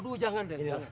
aduh jangan den